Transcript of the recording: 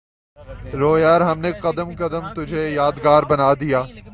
رہ یار ہم نے قدم قدم تجھے یادگار بنا دیا